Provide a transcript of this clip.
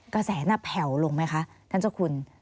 กระแสน่ะแผ่วลงไหมคะท่านเจ้าคุณ